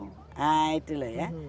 nah itu loh ya